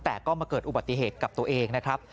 แต่ก็มาเกิดอุบัติเหตุกับตัวเองนะครับ